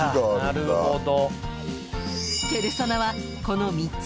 なるほど。